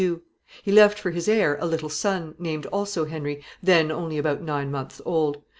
He left for his heir a little son, named also Henry, then only about nine months old.